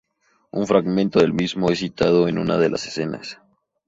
Un fragmento del mismo es citado en una de las escenas.